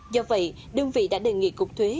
do vậy đơn vị đã đề nghị cục thuế